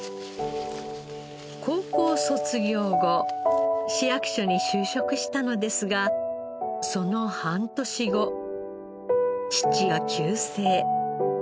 高校卒業後市役所に就職したのですがその半年後父が急逝。